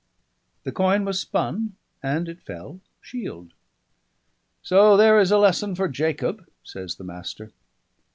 The coin was spun, and it fell shield. "So there is a lesson for Jacob," says the Master.